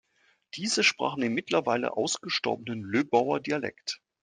Diese sprachen den mittlerweile ausgestorbenen Löbauer Dialekt.